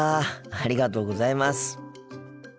ありがとうございます。